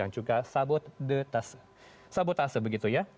juga sabotase begitu ya